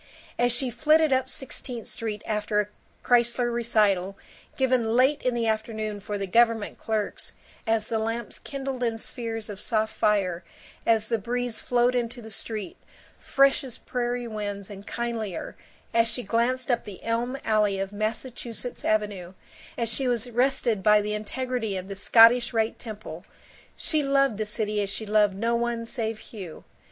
As she flitted up Sixteenth Street after a Kreisler recital, given late in the afternoon for the government clerks, as the lamps kindled in spheres of soft fire, as the breeze flowed into the street, fresh as prairie winds and kindlier, as she glanced up the elm alley of Massachusetts Avenue, as she was rested by the integrity of the Scottish Rite Temple, she loved the city as she loved no one save Hugh.